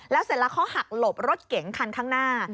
เสร็จแล้วเขาหักหลบรถเก๋งคันข้างหน้า